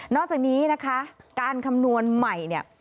อกจากนี้นะคะการคำนวณใหม่เนี่ย